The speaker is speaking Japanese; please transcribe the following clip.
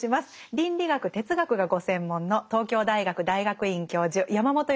倫理学哲学がご専門の東京大学大学院教授山本芳久さんです。